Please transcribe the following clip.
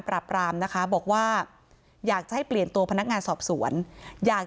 ปราบรามนะคะบอกว่าอยากจะให้เปลี่ยนตัวพนักงานสอบสวนอยาก